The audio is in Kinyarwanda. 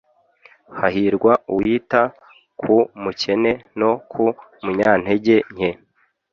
Hahirwa uwita ku mukene no ku munyantege nke